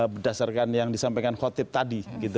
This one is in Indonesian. berdasarkan yang disampaikan khotib tadi